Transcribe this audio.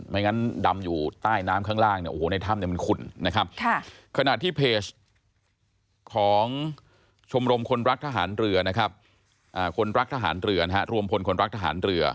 ไม่งั้นดำอยู่ใต้น้ำข้างล่างในท่ำ